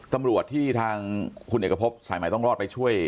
ตำรวจที่ทางคุณเอกพบสายใหม่ต้องรอดไปช่วย